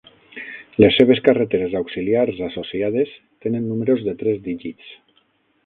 Les seves carreteres auxiliars associades tenen números de tres dígits.